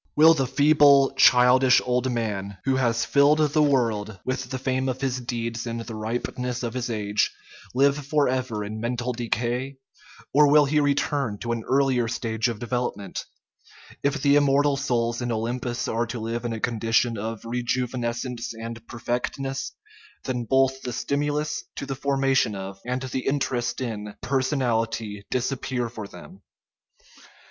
Will the feeble, childish old man, who has filled the world with the fame of his deeds in the ripeness of his age, live forever in mental 208 THE IMMORTALITY OF THE SOUL decay? Or will he return to an earlier stage of devel opment? If the immortal souls in Olympus are to live in a condition of rejuvenescence and perfectness, then both the stimulus to the formation of, and the interest in, personality disappear for them.